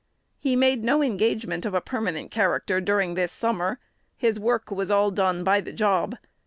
He made no engagement of a permanent character during this summer: his work was all done "by the job."